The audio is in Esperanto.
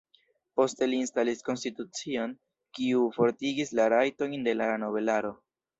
Poste li instalis konstitucion, kiu fortigis la rajtojn de la nobelaro.